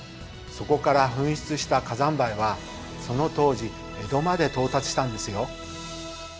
そこから噴出した火山灰はその当時江戸まで到達したんですよ。